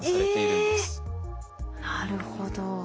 なるほど。